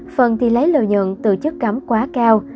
phần thì lấy lợi nhận từ chức cấm quá cao